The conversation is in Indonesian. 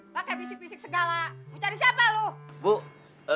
pakai bisik bisik segala lu cari siapa lu